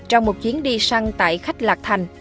trong một chuyến đi săn tại khách lạc thành